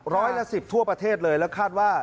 ร้อยละ๑๐ทั่วประเทศเลยแล้วคาดว่า